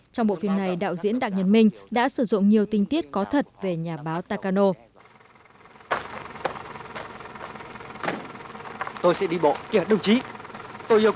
trong bộ phim này đạo diễn đặng nhật minh đã sử dụng nhiều tinh tiết có thật về nhà báo ta cano